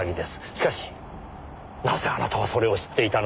しかしなぜあなたはそれを知っていたのでしょう？